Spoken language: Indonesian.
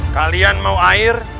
kalian mau air